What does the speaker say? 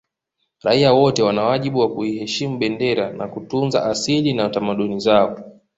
Raia wote wana wajibu wa kuiheshimu bendera kwa kutunza asili na tamaduni zao